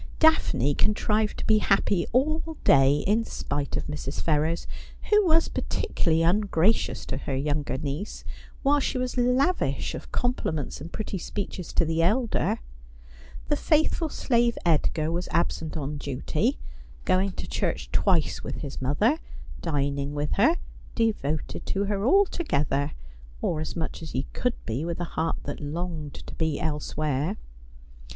Daphne contrived to be happy all day, in spite of Mrs. Ferrers, who was particularly ungracious to her younger niece, while she was lavish of compliments and pretty speeches to the elder. The faithful slave Edgar was absent on duty — going to church twice with his mother ; dining with her ; devoted to her altogether, or as much as he could be with a heart that longed to be elsewhere.